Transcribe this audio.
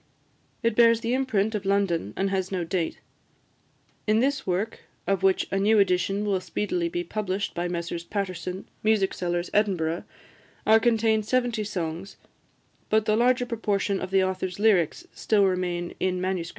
It bears the imprint of London, and has no date. In this work, of which a new edition will speedily be published by Messrs Paterson, music sellers, Edinburgh, are contained seventy songs, but the larger proportion of the author's lyrics still remain in MS.